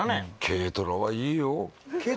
「軽トラはいいよ」